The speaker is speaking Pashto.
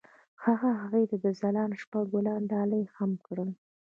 هغه هغې ته د ځلانده شپه ګلان ډالۍ هم کړل.